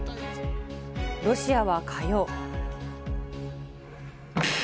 ロシアは火曜。